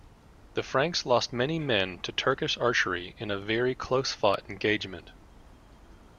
The Franks lost many men to Turkish archery in a very close-fought engagement.